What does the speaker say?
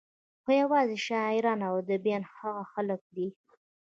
خو يوازې شاعران او اديبان هغه خلق دي